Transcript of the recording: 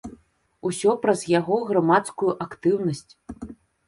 Усё праз яго грамадскую актыўнасць.